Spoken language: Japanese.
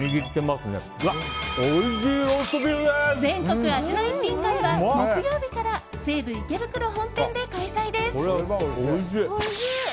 全国味の逸品会は木曜日から西武池袋本店で開催です。